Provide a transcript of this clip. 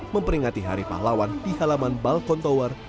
memperingati hari pahlawan di halaman balkon tower